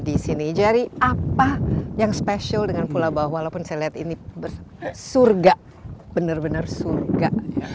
di sini jadi apa yang spesial dengan pulau bawah walaupun saya lihat ini bersurga bener bener surga